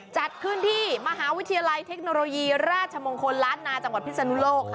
จัดขึ้นที่มหาวิทยาลัยเทคโนโลยีราชมงคลล้านนาจังหวัดพิศนุโลกค่ะ